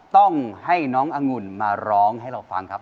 ต้องให้น้ององุ่นมาร้องให้เราฟังครับ